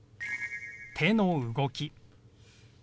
手の動き。